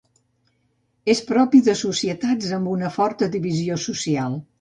És propi de societats amb una forta divisió social.